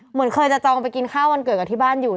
เหมือนเคยจะจองไปกินข้าววันเกิดกับที่บ้านอยู่